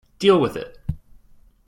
Deal with it!